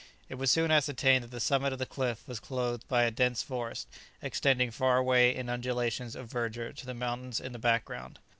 It was soon ascertained that the summit of the cliff was clothed by a dense forest, extending far away in undulations of verdure to the mountains in the background.